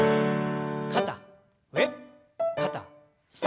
肩上肩下。